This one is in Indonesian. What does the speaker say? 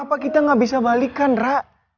kenapa kita gak bisa balikan ra